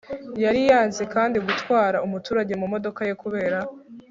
yari yanze kandi gutwara umuturage mu modoka ye kubera